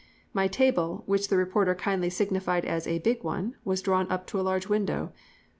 My table, which the reporter kindly signified as a "big one," was drawn up to a large window.